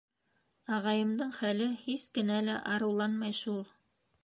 Ағайымдың хәле һис кенә лә арыуланмай шул!